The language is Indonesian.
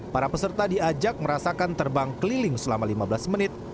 para peserta diajak merasakan terbang keliling selama lima belas menit